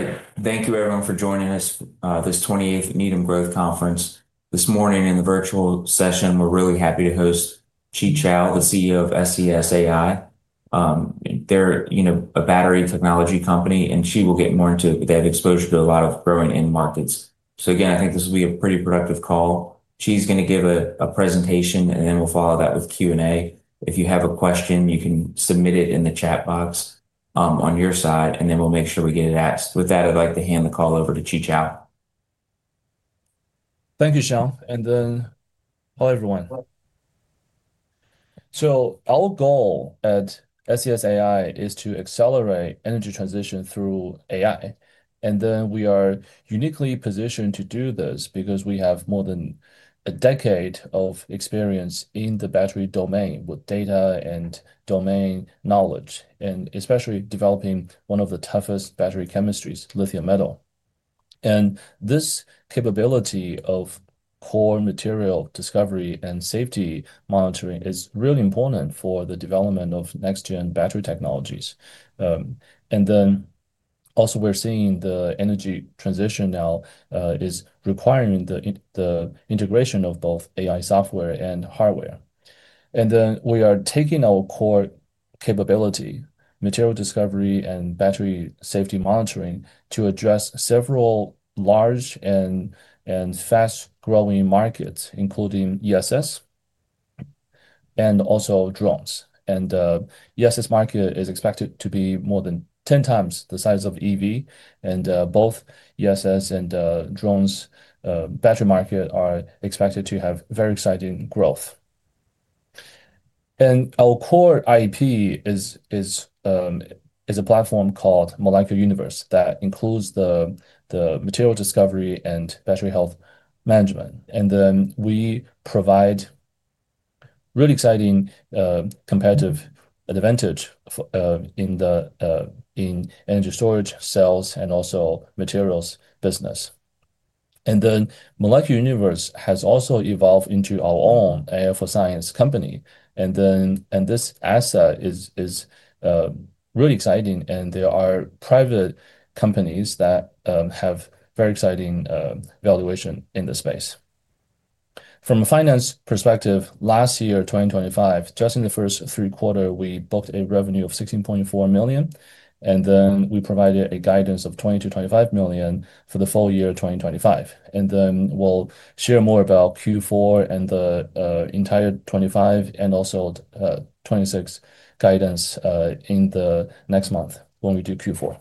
All right. Thank you, everyone, for joining us this 20th Midcap Growth Conference. This morning in the virtual session, we're really happy to host Qichao Hu, the CEO of SES AI. They're a battery technology company, and Qi will get more into it. They have exposure to a lot of growing end markets. So again, I think this will be a pretty productive call. Qi's going to give a presentation, and then we'll follow that with Q&A. If you have a question, you can submit it in the chat box on your side, and then we'll make sure we get it asked. With that, I'd like to hand the call over to Qichao. Thank you, Sean. Hi, everyone. Our goal at SES AI is to accelerate energy transition through AI. We are uniquely positioned to do this because we have more than a decade of experience in the battery domain with data and domain knowledge, and especially developing one of the toughest battery chemistries, lithium metal. This capability of core material discovery and safety monitoring is really important for the development of next-gen battery technologies. We're seeing the energy transition now is requiring the integration of both AI software and hardware. We are taking our core capability, material discovery and battery safety monitoring, to address several large and fast-growing markets, including ESS and also drones. The ESS market is expected to be more than 10x the size of EV. And both ESS and drones' battery market are expected to have very exciting growth. And our core IP is a platform called Molecular Universe that includes the material discovery and battery health management. And then we provide really exciting competitive advantage in energy storage cells and also materials business. And then Molecular Universe has also evolved into our own AI for science company. And this asset is really exciting. And there are private companies that have very exciting valuation in the space. From a finance perspective, last year, 2025, just in the first three quarters, we booked a revenue of $16.4 million. And then we provided a guidance of $22.5 million for the full-year 2025. And then we'll share more about Q4 and the entire 2025 and also 2026 guidance in the next month when we do Q4.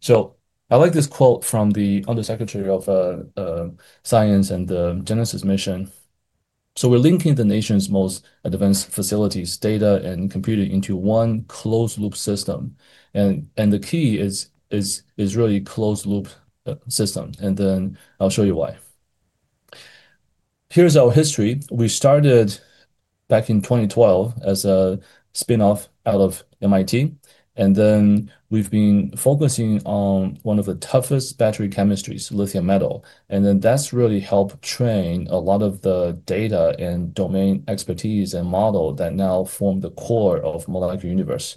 So I like this quote from the Undersecretary of Science and the Genesis Mission. So we're linking the nation's most advanced facilities, data, and computing into one closed-loop system. And the key is really closed-loop system. And then I'll show you why. Here's our history. We started back in 2012 as a spinoff out of MIT. And then we've been focusing on one of the toughest battery chemistries, lithium metal. And then that's really helped train a lot of the data and domain expertise and model that now form the core of Molecular Universe.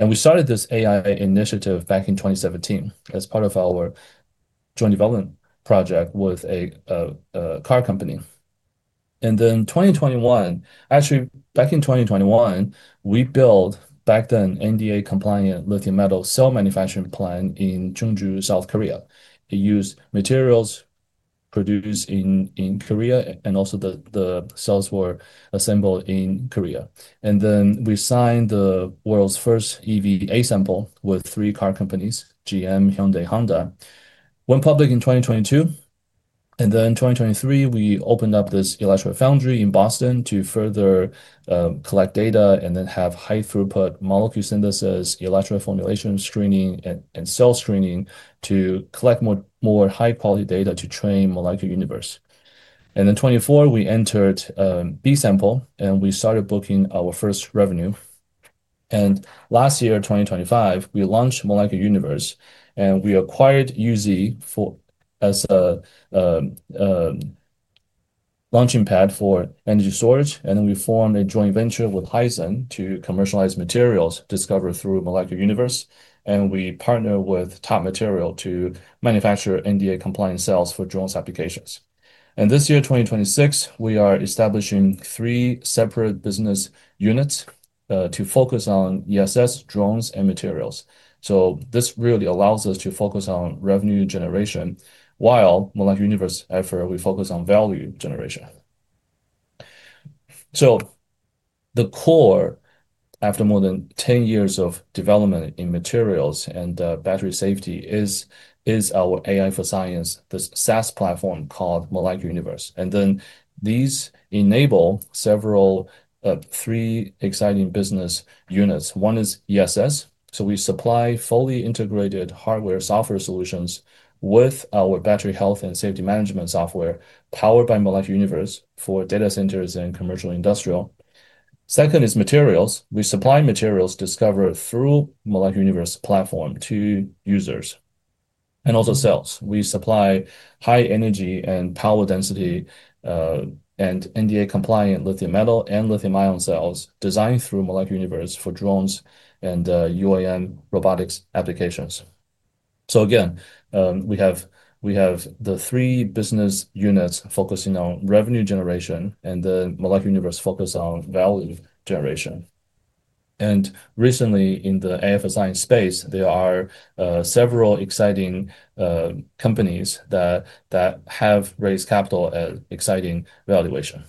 And we started this AI initiative back in 2017 as part of our joint development project with a car company. And then 2021, actually back in 2021, we built back then NDAA-compliant lithium metal cell manufacturing plant in Chungju, South Korea. It used materials produced in Korea, and also the cells were assembled in Korea. Then we signed the world's first EV A-sample with three car companies, GM, Hyundai, and Honda. Went public in 2022. Then in 2023, we opened up this electric foundry in Boston to further collect data and then have high-throughput molecule synthesis, electrolyte formulation screening, and cell screening to collect more high-quality data to train Molecular Universe. In 2024, we entered B-sample, and we started booking our first revenue. Last year, 2025, we launched Molecular Universe, and we acquired UZ as a launching pad for energy storage. Then we formed a joint venture with Hisun to commercialize materials discovered through Molecular Universe. We partner with Top Material to manufacture NDAA-compliant cells for drone applications. This year, 2026, we are establishing three separate business units to focus on ESS, drones, and materials. So this really allows us to focus on revenue generation while Molecular Universe effort, we focus on value generation. So the core, after more than 10 years of development in materials and battery safety, is our AI for science, this SaaS platform called Molecular Universe. And then these enable several three exciting business units. One is ESS. So we supply fully integrated hardware-software solutions with our battery health and safety management software powered by Molecular Universe for data centers and commercial industrial. Second is materials. We supply materials discovered through Molecular Universe platform to users and also cells. We supply high-energy and power-density and NDAA-compliant lithium metal and lithium-ion cells designed through Molecular Universe for drones and UAM robotics applications. So again, we have the three business units focusing on revenue generation, and the Molecular Universe focus on value generation. And recently in the AI for science space, there are several exciting companies that have raised capital at exciting valuation.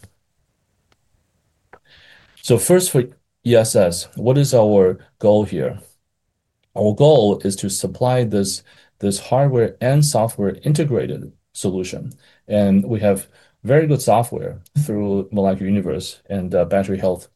So first for ESS, what is our goal here? Our goal is to supply this hardware and software integrated solution. And we have very good software through Molecular Universe and battery health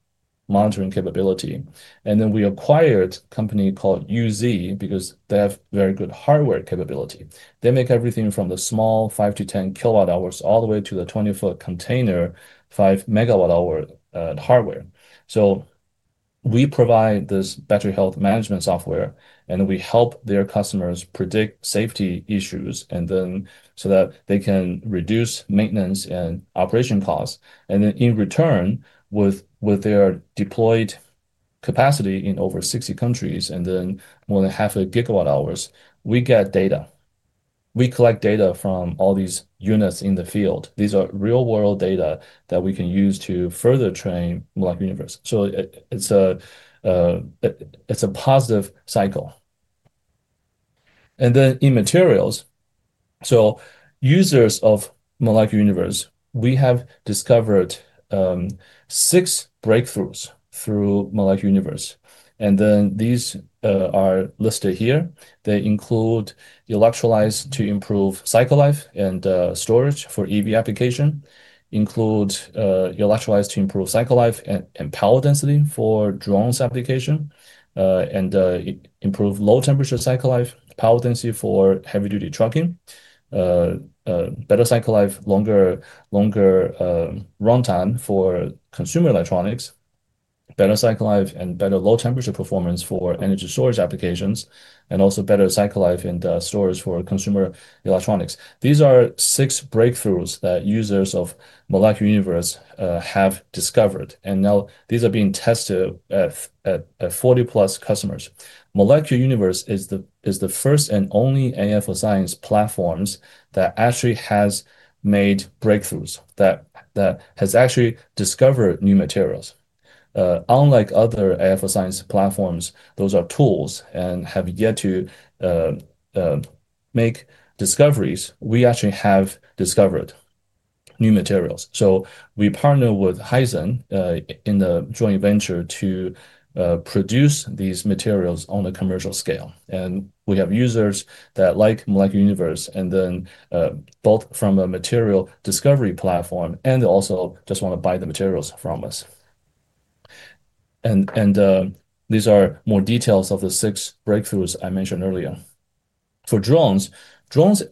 monitoring capability. And then we acquired a company called UZ because they have very good hardware capability. They make everything from the small 5-10 KWh all the way to the 20-foot container 5-megawatt-hour hardware. So we provide this battery health management software, and we help their customers predict safety issues so that they can reduce maintenance and operation costs. And then in return, with their deployed capacity in over 60 countries and then more than 0.5 gigawatt-hours, we get data. We collect data from all these units in the field. These are real-world data that we can use to further train Molecular Universe, so it's a positive cycle, and then in materials, so users of Molecular Universe, we have discovered six breakthroughs through Molecular Universe, and then these are listed here. They include electrolyte to improve cycle life and storage for EV application, include electrolyte to improve cycle life and power density for drones application, and improve low temperature cycle life, power density for heavy-duty trucking, better cycle life, longer runtime for consumer electronics, better cycle life, and better low temperature performance for energy storage applications, and also better cycle life in the storage for consumer electronics. These are six breakthroughs that users of Molecular Universe have discovered, and now these are being tested at 40+ customers. Molecular Universe is the first and only AI for science platforms that actually has made breakthroughs that has actually discovered new materials. Unlike other AI for science platforms, those are tools and have yet to make discoveries. We actually have discovered new materials. So we partner with Hisun in the joint venture to produce these materials on a commercial scale. And we have users that like Molecular Universe and then both from a material discovery platform and also just want to buy the materials from us. And these are more details of the six breakthroughs I mentioned earlier. For drones, drones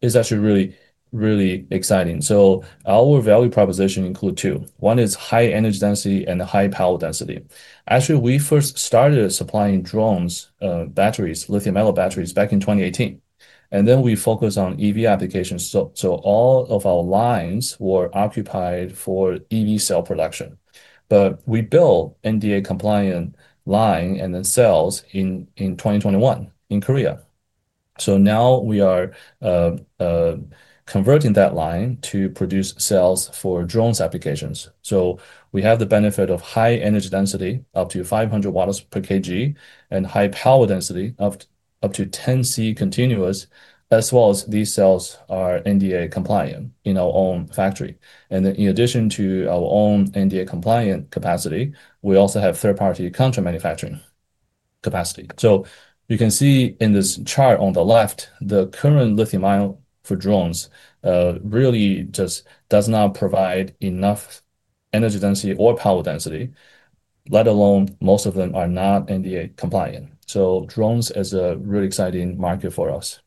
is actually really, really exciting. So our value proposition includes two. One is high energy density and high power density. Actually, we first started supplying drones, batteries, lithium metal batteries back in 2018. And then we focused on EV applications. So all of our lines were occupied for EV cell production. But we built NDAA-compliant line and then cells in 2021 in Korea. So now we are converting that line to produce cells for drone applications. So we have the benefit of high energy density up to 500 watts per kg and high-power density up to 10C continuous, as well as these cells are NDAA-compliant in our own factory. And in addition to our own NDAA-compliant capacity, we also have third-party contract manufacturing capacity. So you can see in this chart on the left, the current lithium-ion for drones really just does not provide enough energy density or power density, let alone most of them are not NDAA-compliant. So drones is a really exciting market for us.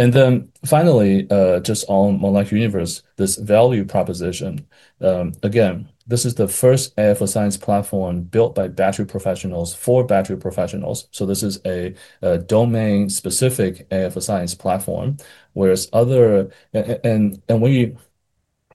And then finally, just on Molecular Universe, this value proposition, again, this is the first AI for science platform built by battery professionals for battery professionals. So this is a domain-specific AI for science platform, whereas other and when you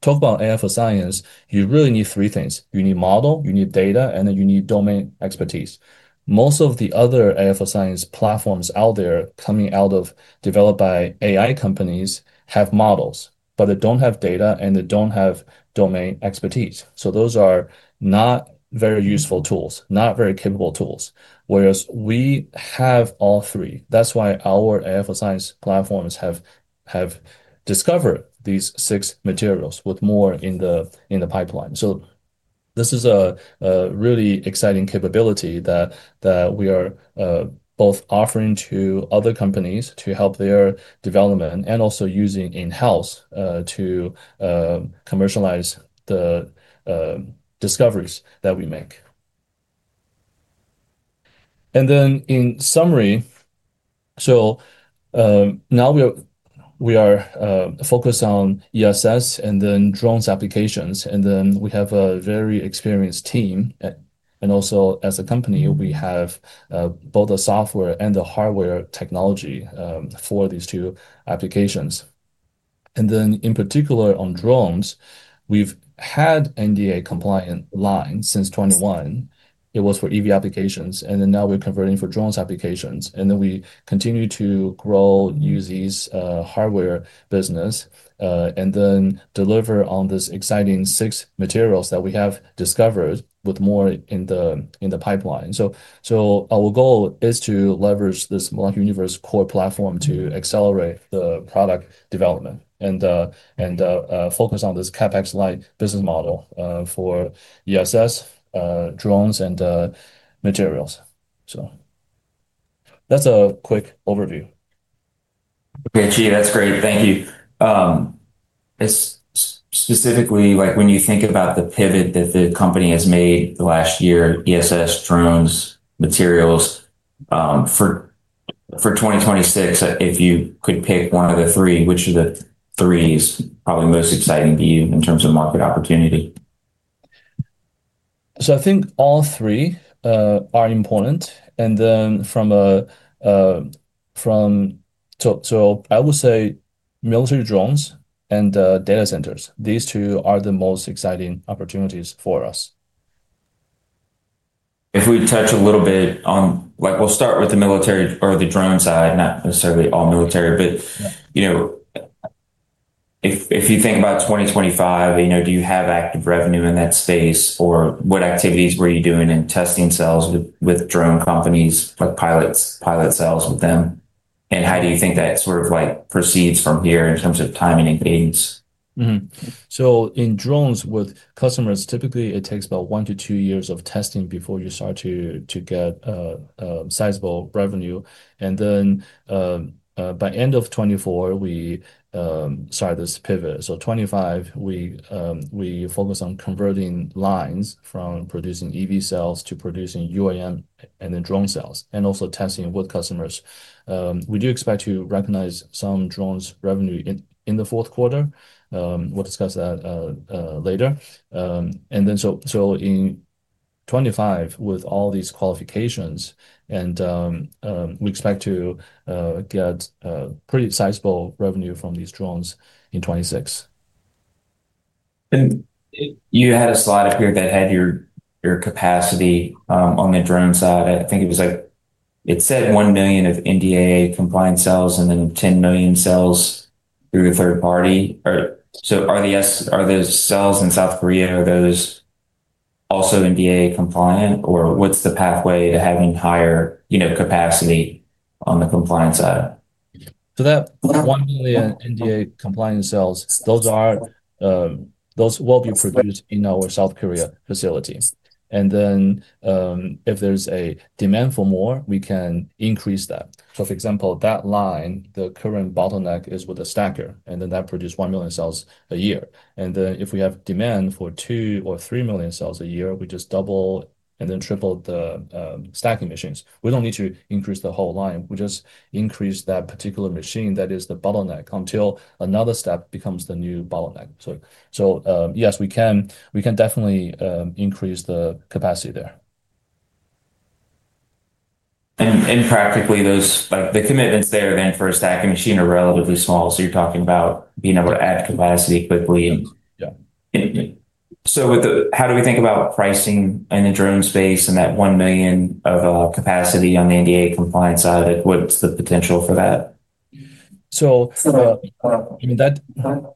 talk about AI for science, you really need three things. You need model, you need data, and then you need domain expertise. Most of the other AI for science platforms out there coming out of developed by AI companies have models, but they don't have data and they don't have domain expertise. So those are not very useful tools, not very capable tools, whereas we have all three. That's why our AI for science platforms have discovered these six materials with more in the pipeline. So this is a really exciting capability that we are both offering to other companies to help their development and also using in-house to commercialize the discoveries that we make. And then in summary, so now we are focused on ESS and then drones applications. We have a very experienced team. And also as a company, we have both the software and the hardware technology for these two applications. And then in particular on drones, we've had NDAA-compliant line since 2021. It was for EV applications. And then now we're converting for drones applications. And then we continue to grow UZ's hardware business and then deliver on this exciting six materials that we have discovered with more in the pipeline. Our goal is to leverage this Molecular Universe core platform to accelerate the product development and focus on this CapEx-like business model for ESS, drones, and materials. That's a quick overview. Okay, Qi, that's great. Thank you. Specifically, when you think about the pivot that the company has made last year, ESS, drones, materials for 2026, if you could pick one of the three, which of the three is probably most exciting to you in terms of market opportunity? So I think all three are important. And then from a so I would say military drones and data centers, these two are the most exciting opportunities for us. If we touch a little bit on we'll start with the military or the drone side, not necessarily all military. But if you think about 2025, do you have active revenue in that space? Or what activities were you doing in testing cells with drone companies, like pilot cells with them? And how do you think that sort of proceeds from here in terms of timing and cadence? So in drones with customers, typically it takes about one to two years of testing before you start to get sizable revenue. And then by end of 2024, we started this pivot. So 2025, we focus on converting lines from producing EV cells to producing UAM and then drone cells and also testing with customers. We do expect to recognize some drones revenue in the fourth quarter. We'll discuss that later. And then so in 2025, with all these qualifications, and we expect to get pretty sizable revenue from these drones in 2026. And you had a slide up here that had your capacity on the drone side. I think it was like it said 1 million of NDAA-compliant cells and then 10 million cells through a third party. So are the cells in South Korea, are those also NDAA-compliant? Or what's the pathway to having higher capacity on the compliance side? So that one million NDAA-compliant cells, those will be produced in our South Korea facility. And then if there's a demand for more, we can increase that. So for example, that line, the current bottleneck is with a stacker, and then that produces one million cells a year. And then if we have demand for two or three million cells a year, we just double and then triple the stacking machines. We don't need to increase the whole line. We just increase that particular machine that is the bottleneck until another step becomes the new bottleneck. So yes, we can definitely increase the capacity there. And practically, the commitments there then for a stacking machine are relatively small. So you're talking about being able to add capacity quickly. Yeah. How do we think about pricing in the drone space and that 1 million of capacity on the NDAA-compliant side? What's the potential for that? That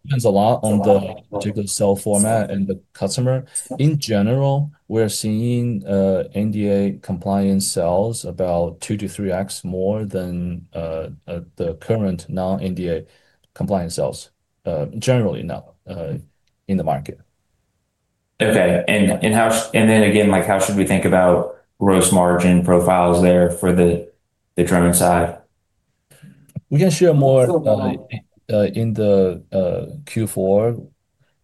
depends a lot on the particular cell format and the customer. In general, we're seeing NDAA-compliant cells about 2 to 3x more than the current non-NDAA-compliant cells, generally now, in the market. Okay. And then again, how should we think about gross margin profiles there for the drone side? We can share more in the Q4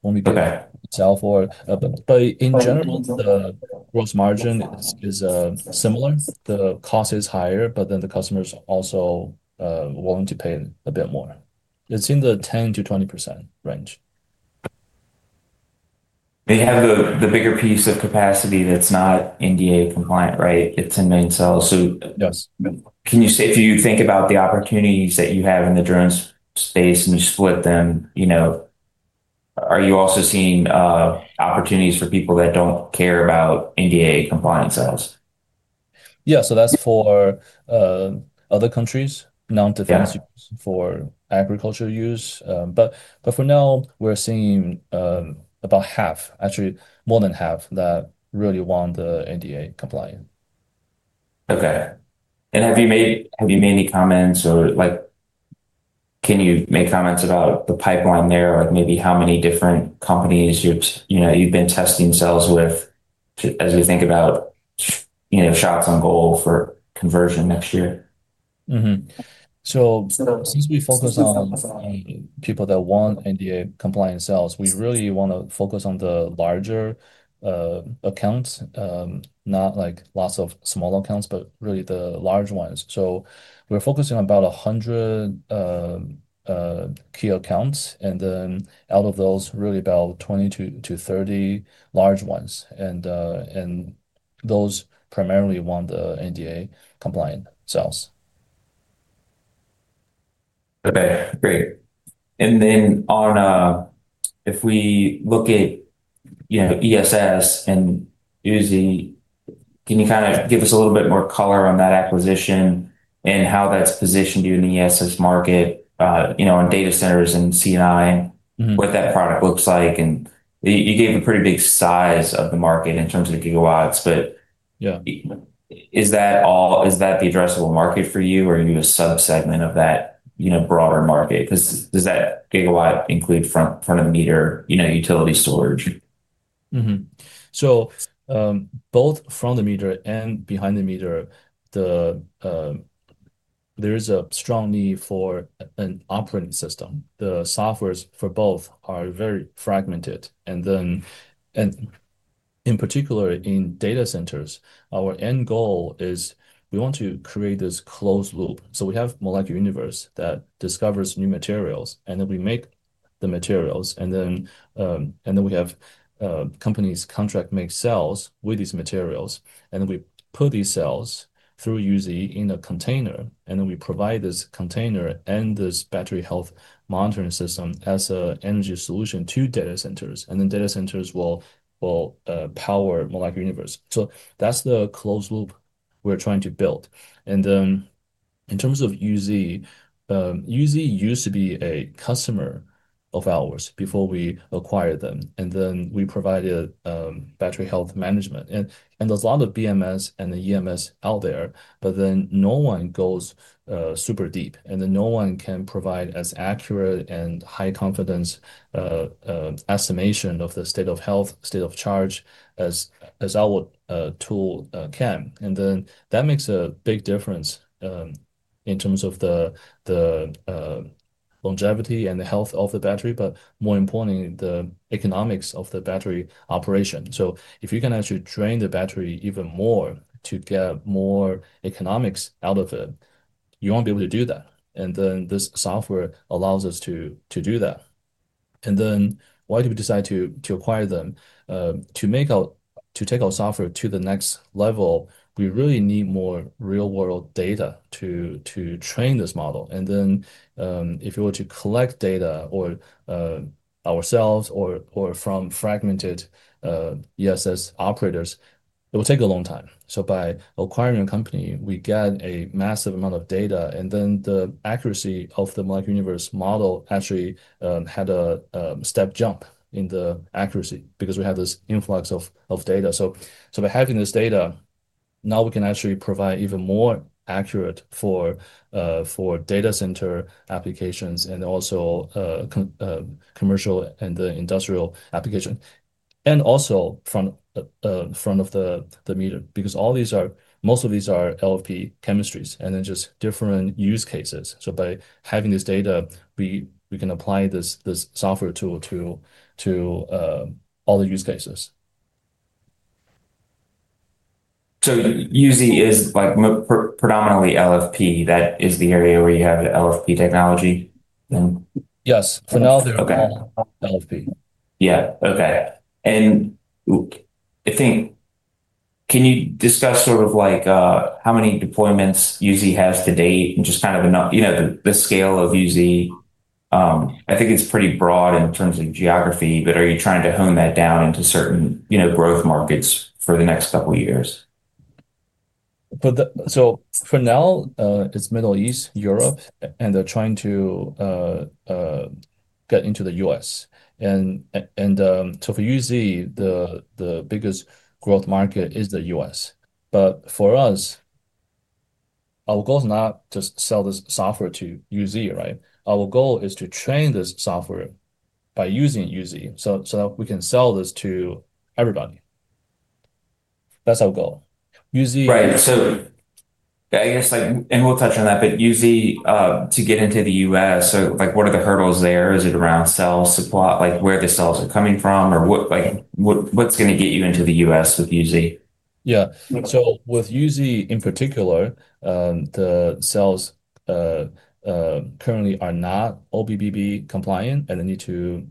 when we get cell form. But in general, the gross margin is similar. The cost is higher, but then the customer is also willing to pay a bit more. It's in the 10%-20% range. They have the bigger piece of capacity that's not NDAA-compliant, right? It's in main cells. So can you say if you think about the opportunities that you have in the drones space and you split them, are you also seeing opportunities for people that don't care about NDAA-compliant cells? Yeah. So that's for other countries, non-defense use, for agriculture use. But for now, we're seeing about half, actually more than half, that really want the NDAA-compliant. Okay. And have you made any comments or can you make comments about the pipeline there, maybe how many different companies you've been testing cells with as you think about shots on goal for conversion next year? So since we focus on people that want NDAA-compliant cells, we really want to focus on the larger accounts, not lots of small accounts, but really the large ones. So we're focusing on about 100 key accounts. And then out of those, really about 20-30 large ones. And those primarily want the NDAA-compliant cells. Okay. Great. And then if we look at ESS and UZ, can you kind of give us a little bit more color on that acquisition and how that's positioned in the ESS market on data centers and C&I, what that product looks like? And you gave a pretty big size of the market in terms of gigawatts. But is that the addressable market for you, or are you a subsegment of that broader market? Because does that gigawatt include front-of-the-meter utility storage? So both front-of-the-meter and behind-the-meter, there is a strong need for an operating system. The softwares for both are very fragmented. And then in particular, in data centers, our end goal is we want to create this closed loop. So we have Molecular Universe that discovers new materials, and then we make the materials. And then we have companies contract make cells with these materials. And then we put these cells through UZ in a container. And then we provide this container and this battery health monitoring system as an energy solution to data centers. And then data centers will power Molecular Universe. So that's the closed loop we're trying to build. And in terms of UZ, UZ used to be a customer of ours before we acquired them. And then we provided battery health management. And there's a lot of BMS and EMS out there, but then no one goes super deep. And then no one can provide as accurate and high-confidence estimation of the state of health, state of charge as our tool can. And then that makes a big difference in terms of the longevity and the health of the battery, but more importantly, the economics of the battery operation. So if you can actually drain the battery even more to get more economics out of it, you won't be able to do that. And then this software allows us to do that. And then why did we decide to acquire them? To take our software to the next level, we really need more real-world data to train this model. And then if you were to collect data ourselves or from fragmented ESS operators, it will take a long time. So by acquiring a company, we get a massive amount of data. And then the accuracy of the Molecular Universe model actually had a step jump in the accuracy because we have this influx of data. So by having this data, now we can actually provide even more accurate for data center applications and also commercial and industrial applications. And also from the front of the meter because most of these are LFP chemistries and then just different use cases. So by having this data, we can apply this software tool to all the use cases. So UZ is predominantly LFP. That is the area where you have the LFP technology? Yes. For now, they're all LFP. Yeah. Okay. And I think, can you discuss sort of how many deployments UZ has to date and just kind of the scale of UZ? I think it's pretty broad in terms of geography, but are you trying to hone that down into certain growth markets for the next couple of years? So for now, it's Middle East, Europe, and they're trying to get into the US. And so for UZ, the biggest growth market is the US. But for us, our goal is not to sell this software to UZ, right? Our goal is to train this software by using UZ so that we can sell this to everybody. That's our goal. UZ. Right. So I guess, and we'll touch on that, but UZ, to get into the US, what are the hurdles there? Is it around cell supply, where the cells are coming from, or what's going to get you into the US with UZ? Yeah. So with UZ in particular, the cells currently are not NDAA compliant, and they need to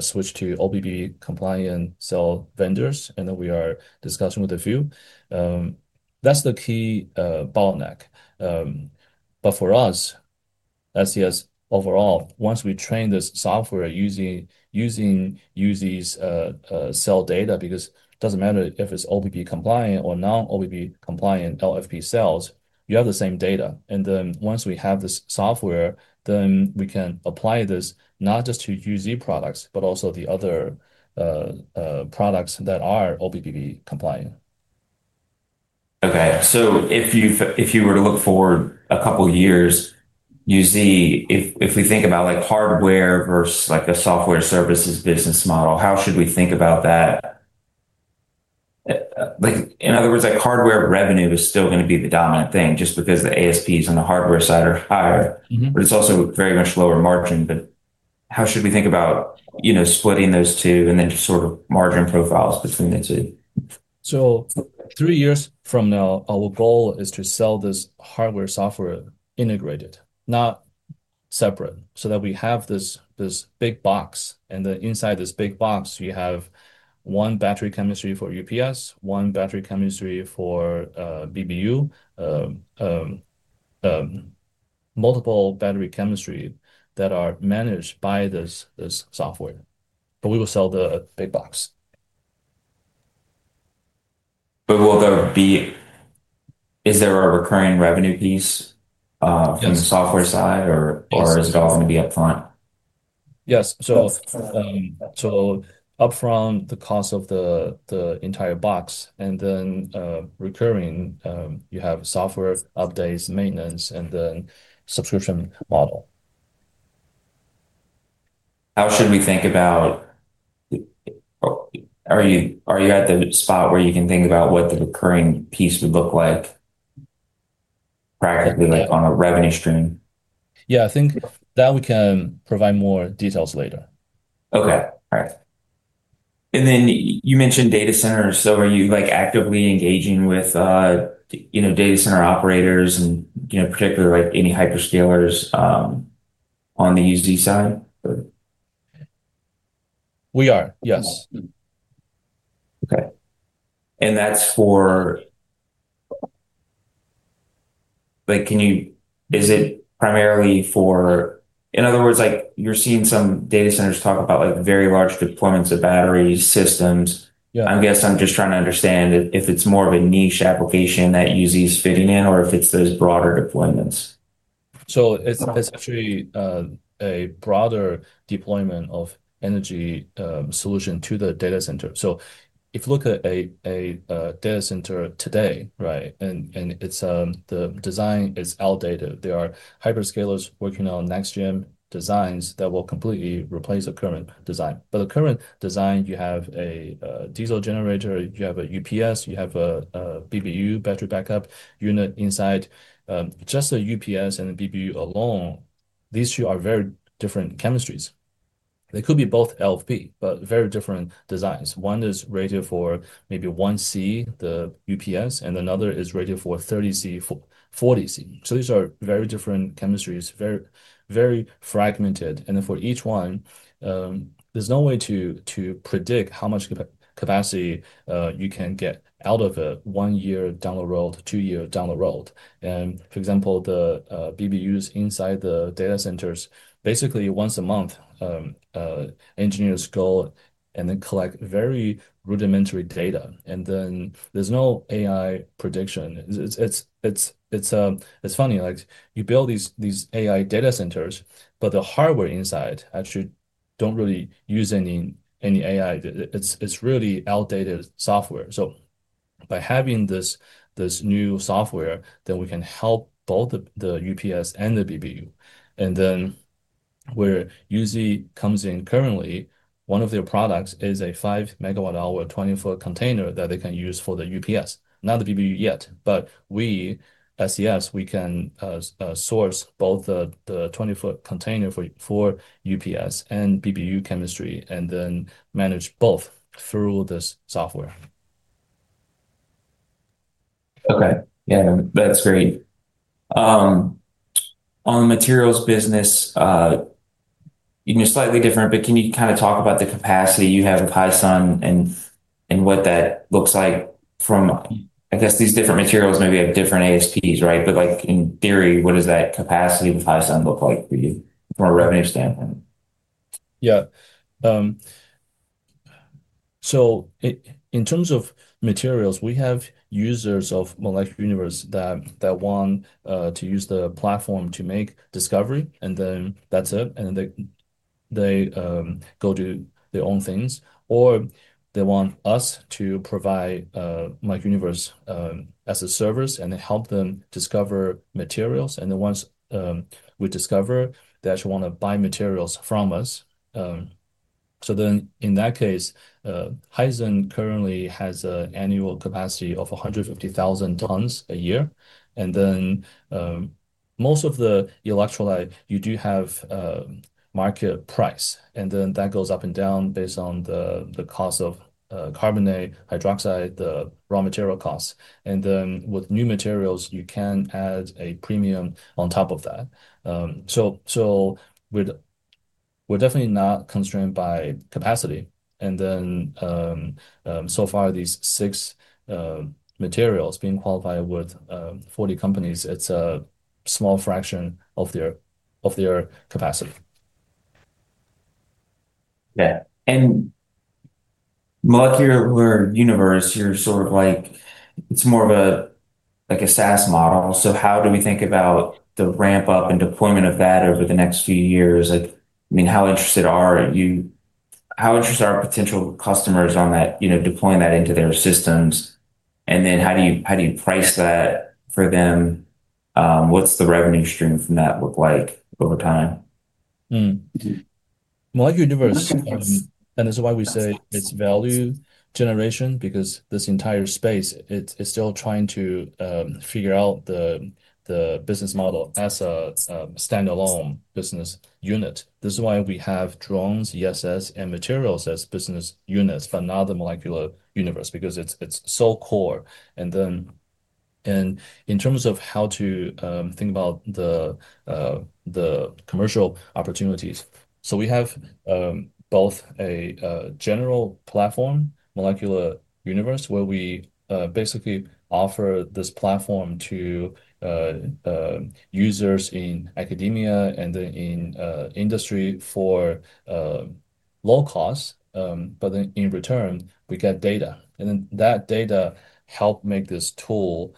switch to NDAA compliant cell vendors. And then we are discussing with a few. That's the key bottleneck. But for us, SES overall, once we train this software using UZ's cell data, because it doesn't matter if it's NDAA compliant or non-NDAA compliant LFP cells, you have the same data. And then once we have this software, then we can apply this not just to UZ products, but also the other products that are NDAA-compliant. Okay. So if you were to look forward a couple of years, UZ, if we think about hardware versus a software services business model, how should we think about that? In other words, hardware revenue is still going to be the dominant thing just because the ASPs on the hardware side are higher, but it's also very much lower margin. But how should we think about splitting those two and then sort of margin profiles between the two? So three years from now, our goal is to sell this hardware-software integrated, not separate, so that we have this big box. And then inside this big box, you have one battery chemistry for UPS, one battery chemistry for BBU, multiple battery chemistry that are managed by this software. But we will sell the big box. But will there be? Is there a recurring revenue piece from the software side, or is it all going to be upfront? Yes. So upfront, the cost of the entire box. And then recurring, you have software updates, maintenance, and then subscription model. How should we think about? Are you at the spot where you can think about what the recurring piece would look like practically on a revenue stream? Yeah. I think that we can provide more details later. Okay. All right. And then you mentioned data centers. So are you actively engaging with data center operators, and particularly any hyperscalers on the UZ side? We are, yes. Okay. And that's for—is it primarily for—in other words, you're seeing some data centers talk about very large deployments of battery systems. I guess I'm just trying to understand if it's more of a niche application that UZ is fitting in, or if it's those broader deployments. So it's actually a broader deployment of energy solution to the data center. So if you look at a data center today, right, and the design is outdated, there are hyperscalers working on next-gen designs that will completely replace the current design. But the current design, you have a diesel generator, you have a UPS, you have a BBU battery backup unit inside. Just a UPS and a BBU alone, these two are very different chemistries. They could be both LFP, but very different designs. One is rated for maybe 1C, the UPS, and another is rated for 30C, 40C. So these are very different chemistries, very fragmented. And then for each one, there's no way to predict how much capacity you can get out of a one-year down the road to two-year down the road. And for example, the BBUs inside the data centers, basically once a month, engineers go and then collect very rudimentary data. And then there's no AI prediction. It's funny. You build these AI data centers, but the hardware inside actually don't really use any AI. It's really outdated software. So by having this new software, then we can help both the UPS and the BBU. And then where UZ comes in currently, one of their products is a 5 megawatt-hour, 20-foot container that they can use for the UPS. Not the BBU yet, but we, SES, we can source both the 20-foot container for UPS and BBU chemistry and then manage both through this software. Okay. Yeah. That's great. On the materials business, it's slightly different, but can you kind of talk about the capacity you have with Hisun and what that looks like from, I guess, these different materials? Maybe you have different ASPs, right? But in theory, what does that capacity with Hisun look like for you from a revenue standpoint? Yeah. So in terms of materials, we have users of Molecular Universe that want to use the platform to make discovery, and then that's it. And then they go do their own things. Or they want us to provide Molecular Universe as a service and help them discover materials. And then once we discover, they actually want to buy materials from us. So then in that case, Hisun currently has an annual capacity of 150,000 tons a year. And then most of the electrolyte, you do have market price. And then that goes up and down based on the cost of carbonate, hydroxide, the raw material costs. And then with new materials, you can add a premium on top of that. So we're definitely not constrained by capacity. And then so far, these six materials being qualified with 40 companies, it's a small fraction of their capacity. Yeah. And Molecular Universe, you're sort of like it's more of a SaaS model. So how do we think about the ramp-up and deployment of that over the next few years? I mean, how interested are you? How interested are potential customers on deploying that into their systems? And then how do you price that for them? What's the revenue stream from that look like over time? Molecular Universe, and that's why we say it's value generation, because this entire space, it's still trying to figure out the business model as a standalone business unit. This is why we have drones, ESS, and materials as business units, but not the Molecular Universe because it's so core. And then in terms of how to think about the commercial opportunities, so we have both a general platform, Molecular Universe, where we basically offer this platform to users in academia and then in industry for low cost. But then in return, we get data. And then that data helps make this tool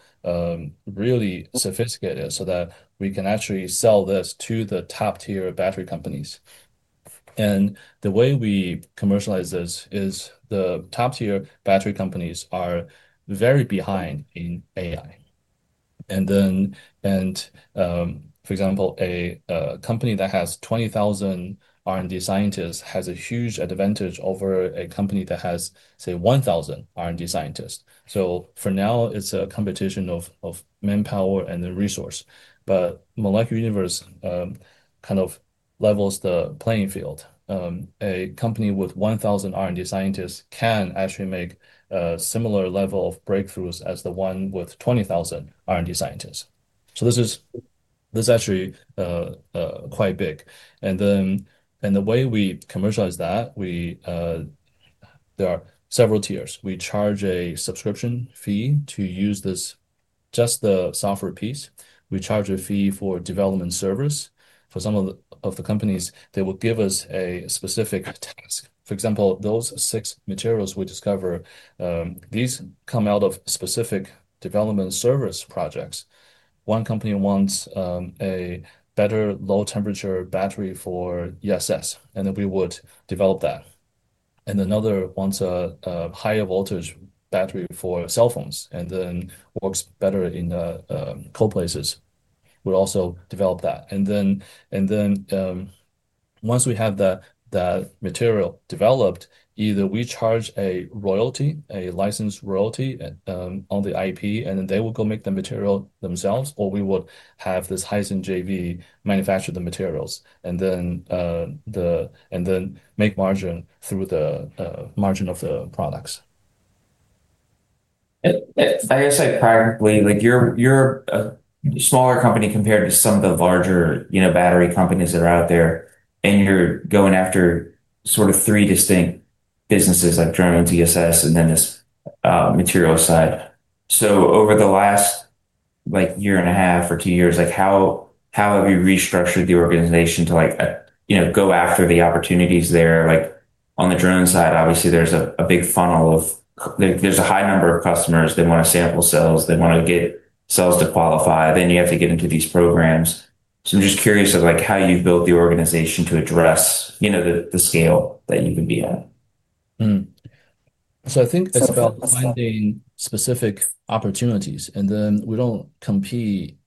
really sophisticated so that we can actually sell this to the top-tier battery companies. And the way we commercialize this is the top-tier battery companies are very behind in AI. Then, for example, a company that has 20,000 R&D scientists has a huge advantage over a company that has, say, 1,000 R&D scientists. For now, it's a competition of manpower and the resource. Molecular Universe kind of levels the playing field. A company with 1,000 R&D scientists can actually make a similar level of breakthroughs as the one with 20,000 R&D scientists. This is actually quite big. The way we commercialize that, there are several tiers. We charge a subscription fee to use just the software piece. We charge a fee for development service. For some of the companies, they will give us a specific task. For example, those six materials we discover, these come out of specific development service projects. One company wants a better low-temperature battery for ESS, and then we would develop that. Another wants a higher voltage battery for cell phones and then works better in cold places. We'll also develop that. And then once we have that material developed, either we charge a royalty, a licensed royalty on the IP, and then they will go make the material themselves, or we would have this Hisun JV manufacture the materials and then make margin through the margin of the products. I guess I'd probably like you're a smaller company compared to some of the larger battery companies that are out there, and you're going after sort of three distinct businesses like drones, ESS, and then this material side. So over the last year and a half or two years, how have you restructured the organization to go after the opportunities there? On the drone side, obviously, there's a big funnel of a high number of customers. They want to sample cells. They want to get cells to qualify. Then you have to get into these programs, so I'm just curious of how you've built the organization to address the scale that you would be at. So I think it's about finding specific opportunities, and then we don't compete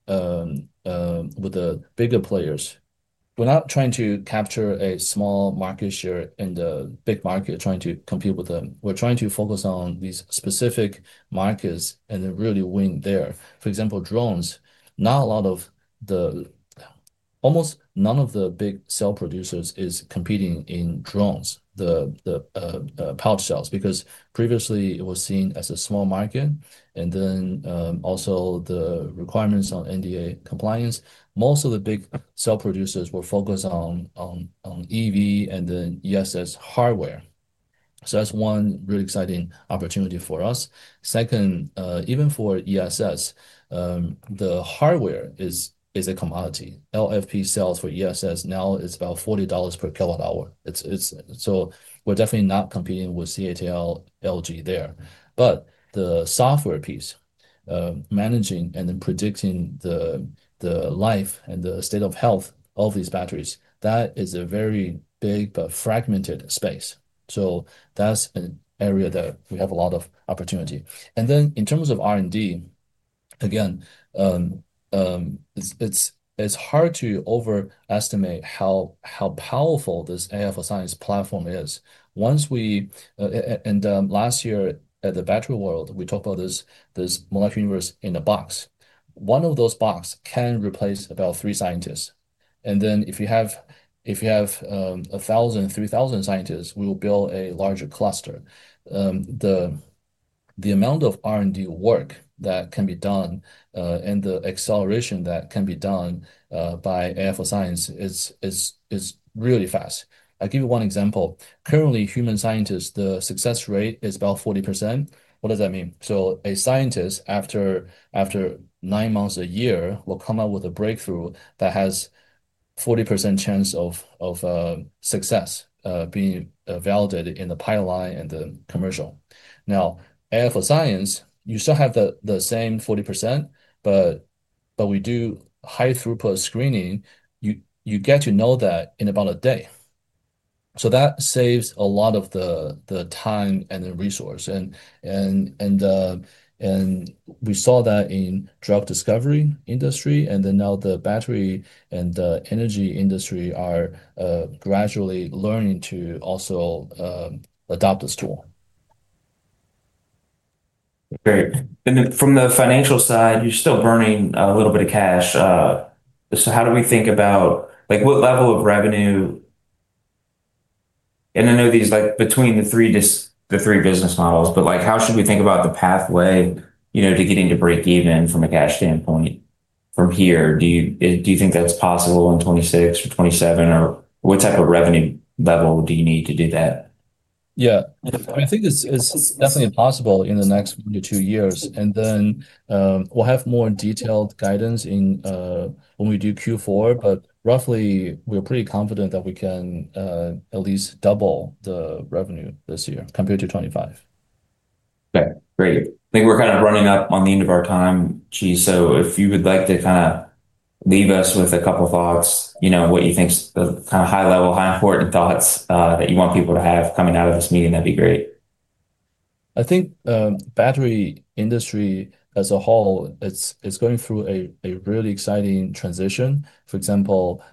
with the bigger players. We're not trying to capture a small market share in the big market, trying to compete with them. We're trying to focus on these specific markets and then really win there. For example, drones, not a lot of the almost none of the big cell producers is competing in drones, the pouch cells, because previously, it was seen as a small market. And then also the requirements on NDAA compliance, most of the big cell producers were focused on EV and then ESS hardware. That's one really exciting opportunity for us. Second, even for ESS, the hardware is a commodity. LFP cells for ESS now is about $40 per KWh. So we're definitely not competing with CATL, LG there. But the software piece, managing and then predicting the life and the state of health of these batteries, that is a very big but fragmented space. So that's an area that we have a lot of opportunity. And then in terms of R&D, again, it's hard to overestimate how powerful this AFSIS platform is. And last year at the Battery World, we talked about this Molecular Universe in a box. One of those boxes can replace about three scientists. And then if you have 1,000, 3,000 scientists, we will build a larger cluster. The amount of R&D work that can be done and the acceleration that can be done by AFSIS is really fast. I'll give you one example. Currently, human scientists, the success rate is about 40%. What does that mean? So a scientist, after nine months, a year, will come up with a breakthrough that has a 40% chance of success being validated in the pilot line and the commercial. Now, AFSIS, you still have the same 40%, but we do high-throughput screening. You get to know that in about a day. So that saves a lot of the time and the resource. And we saw that in the drug discovery industry, and then now the battery and the energy industry are gradually learning to also adopt this tool. Great. And then from the financial side, you're still burning a little bit of cash. So how do we think about what level of revenue? I know these are between the three business models, but how should we think about the pathway to getting to break even from a cash standpoint from here? Do you think that's possible in 2026 or 2027? Or what type of revenue level do you need to do that? Yeah. I think it's definitely possible in the next one to two years. And then we'll have more detailed guidance when we do Q4. But roughly, we're pretty confident that we can at least double the revenue this year compared to 2025. Okay. Great. I think we're kind of running up on the end of our time, Qi. So if you would like to kind of leave us with a couple of thoughts, what you think are kind of high-level, high-important thoughts that you want people to have coming out of this meeting, that'd be great. I think the battery industry as a whole, it's going through a really exciting transition. For example,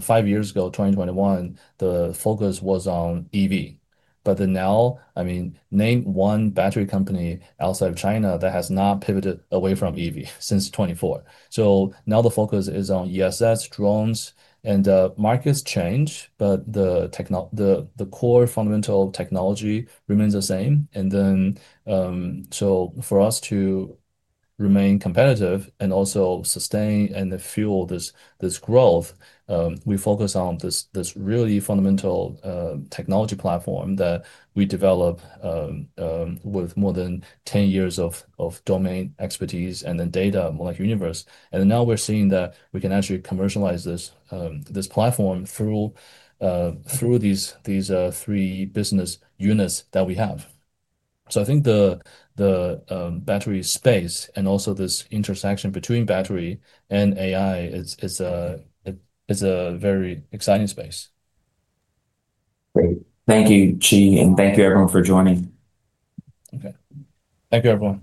five years ago, 2021, the focus was on EV, but now, I mean, name one battery company outside of China that has not pivoted away from EV since 2024. So now the focus is on ESS, drones, and the markets change, but the core fundamental technology remains the same, and then so for us to remain competitive and also sustain and fuel this growth, we focus on this really fundamental technology platform that we developed with more than 10 years of domain expertise and then data on Molecular Universe. And now we're seeing that we can actually commercialize this platform through these three business units that we have. So I think the battery space and also this intersection between battery and AI is a very exciting space. Great. Thank you, Qi. Thank you, everyone, for joining. Okay. Thank you, everyone.